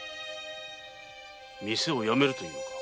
店をやめると言うのか？